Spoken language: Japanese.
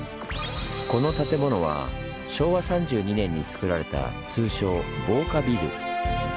この建物は昭和３２年につくられた通称「防火ビル」。